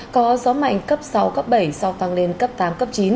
có gió mạnh cấp sáu cấp bảy sau tăng lên cấp tám cấp chín